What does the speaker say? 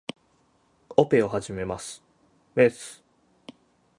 オペを始めます。メス